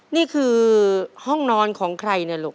นี่คือห้องนอนของใครเนี่ยลูก